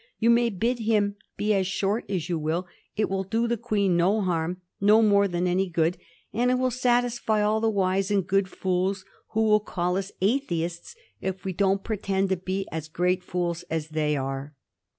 You may bid him be as short as you will. It will do the Queen no hurt, no more than any good ; and it will satisfy all the wise and good fools who will call us atheists if we don't pretend to be as great fools as they are."